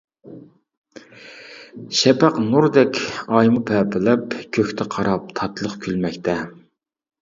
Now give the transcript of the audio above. شەپەق نۇردەك ئايمۇ پەپىلەپ، كۆكتە قاراپ تاتلىق كۈلمەكتە.